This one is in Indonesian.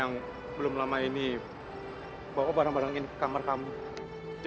aku tuh meninggal karena kecelakaan aja